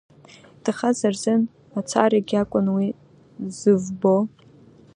Иҭахаз рзын мацарагьы акәым уи зывбоу…